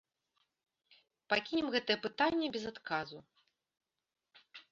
Пакінем гэтае пытанне без адказу.